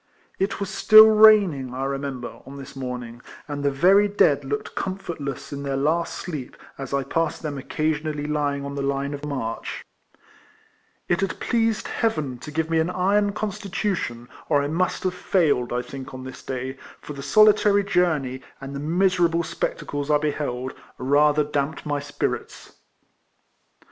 RIFLEMAN HARRIS. 225 It was Still raining, I remember, on this morning, and the very dead looked comfort less in their last sleep, as I passed them occasionally lying on the line of march. It had pleased Heaven to give me an iron constitution, or I must have failed, I think, on this day, for the solitary journey, and the miserable spectacles I beheld, rather damped my spirits.